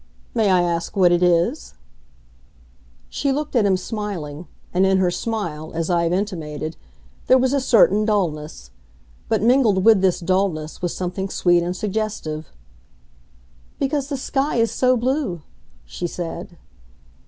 "May I ask what it is?" She looked at him smiling; and in her smile, as I have intimated, there was a certain dullness. But mingled with this dullness was something sweet and suggestive. "Because the sky is so blue!" she said.